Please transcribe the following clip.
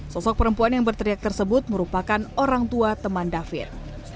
sosok perempuan yang berteriak tersebut merupakan orang tua teman david